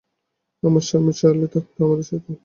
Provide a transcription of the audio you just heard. আমার স্বামী চার্লি, থাকত আমাদের সাথে।